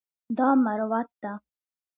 دا مروت ده.